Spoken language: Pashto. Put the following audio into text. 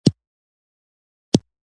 راکټ د سپوږمۍ لومړنی مسافر بوتله